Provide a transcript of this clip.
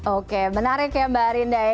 oke menarik ya mbak arinda ya